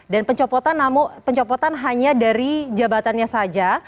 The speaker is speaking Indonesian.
dan pencopotan namun pencopotan hanya dari jabatannya saja